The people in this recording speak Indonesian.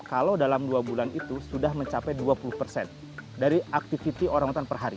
kalau dalam dua bulan itu sudah mencapai dua puluh persen dari aktivitas orangutan per hari